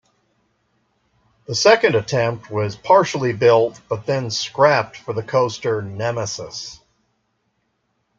The second attempt was partially built, but then scrapped for the coaster Nemesis.